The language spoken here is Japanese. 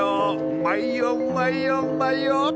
うまいようまいようまいよ！